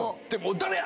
誰や！？」